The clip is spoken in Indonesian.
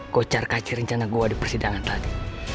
gue cari gacau rencana gue di persidangan tadi